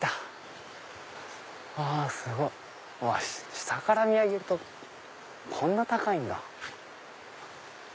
下から見上げるとこんな高いんだ。